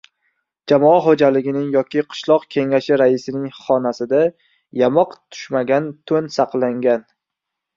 Jamoa xo‘jaligining yoki qishloq kengashi raisining xonasida yamoq tushmagan to'n saqlangan.